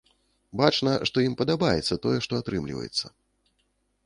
Бачна, што ім падабаецца тое, што атрымліваецца.